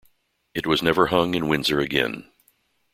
It was never hung in Windsor again.